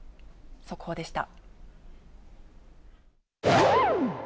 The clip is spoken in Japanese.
速報でした。